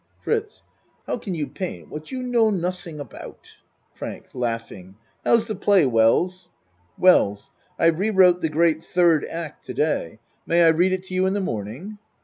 FRITZ How can you paint what you know nud ding about? FRANK How's the play, Wells? WELLS I rewrote the great third act to day. ACT I 21 May I read it to you in the morning?